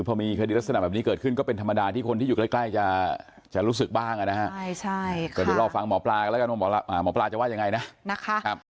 เผื่อหมอปาฟังอยู่ก็มาช่วยให้หน่อย